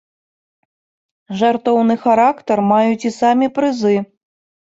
Жартоўны характар маюць і самі прызы.